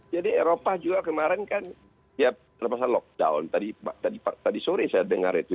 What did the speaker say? jadi eropa juga kemarin kan ya kenapa saya lockdown tadi sore saya dengar itu